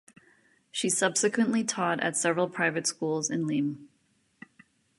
She subsequently taught at several private schools in Lim.